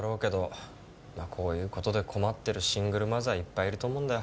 まあこういうことで困ってるシングルマザーいっぱいいると思うんだよ